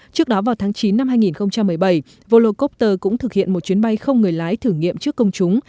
trước đó vào tháng chín năm hai nghìn một mươi bảy volokover cũng thực hiện một chuyến bay không người lái thử nghiệm trước công chúng